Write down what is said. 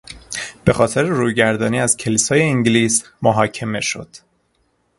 به خاطر رویگردانی از کلیسای انگلیس محاکمه شد.